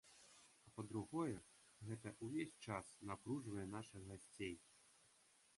А па-другое, гэта ўвесь час напружвае нашых гасцей.